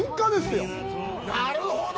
なるほど！